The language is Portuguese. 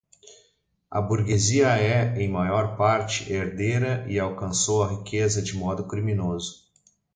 A burguesia é, em maior parte, herdeira e alcançou a riqueza de modo criminoso